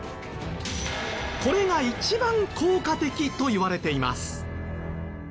これが一番効果的といわれています。